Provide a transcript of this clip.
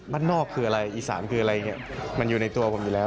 บ้านนอกคืออะไรอีสานคืออะไรอย่างนี้มันอยู่ในตัวผมอยู่แล้ว